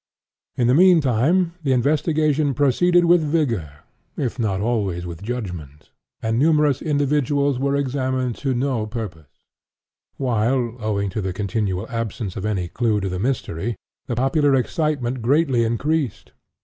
In the mean time the investigation proceeded with vigor, if not always with judgment, and numerous individuals were examined to no purpose; while, owing to the continual absence of all clue to the mystery, the popular excitement greatly increased.